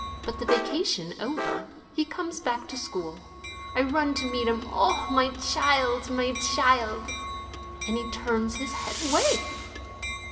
But the vacation over, he comes back to school. I run to meet him ; 'Oh, my child, my child !' And he turns his head away."